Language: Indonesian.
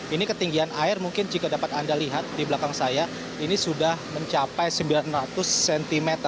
ini ketinggian air mungkin jika dapat anda lihat di belakang saya ini sudah mencapai sembilan ratus cm